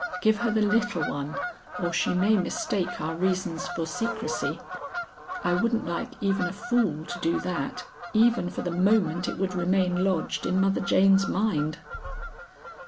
Give her the little one, or she may mistake our reasons for secrecy. I wouldn't like even a fool to do that even for the moment it would remain lodged in Mother Jane's mind.'"